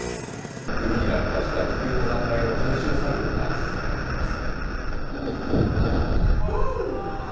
海に落下した気球の残骸の回収作業が進められています。